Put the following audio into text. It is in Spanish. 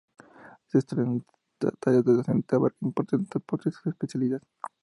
Su extensa tarea docente abarca importantes aportes a su especialidad.